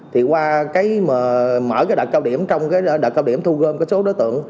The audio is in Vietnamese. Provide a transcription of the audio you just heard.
thì qua mở đợt cao điểm trong đợt cao điểm thu gom số đối tượng